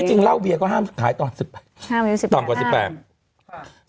จริงเล่าเวียก็ห้ามขายต่ำกว่า๑๘